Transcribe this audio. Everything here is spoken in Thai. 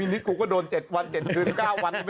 นี่ก็ช่ายอย